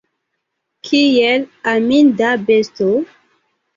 Kiel aminda besto!